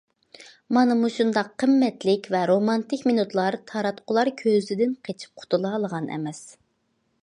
مانا مۇشۇنداق قىممەتلىك ۋە رومانتىك مىنۇتلار تاراتقۇلار كۆزىدىن قېچىپ قۇتۇلالىغان ئەمەس.